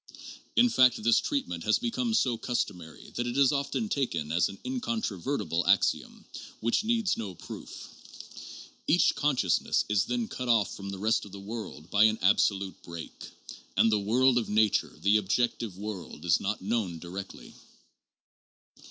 In fact this treatment has become so customary that it is often taken as an incontrovertible axiom which needs no proof. Each consciousness is then cut off from the rest of the world by an absolute break. And the world of nature, the objective world, is not known directly.